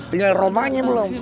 tinggal romanya belum